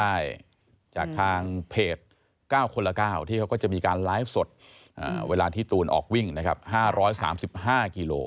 ได้จากทางเพจ๙คนละ๙ที่เขาก็จะมีการไลฟ์สดเวลาที่ตูนออกวิ่งนะครับ๕๓๕กิโล